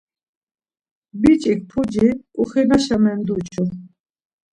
Biç̌ik puci ǩuxinaşa menduçu.